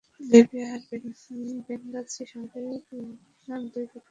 লিবিয়ার বেনগাজি শহরে বিবদমান দুই পক্ষের সংঘর্ষের সময় গুলিতে চার বাংলাদেশি নিহত হয়েছেন।